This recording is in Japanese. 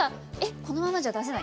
このままじゃ出せない」。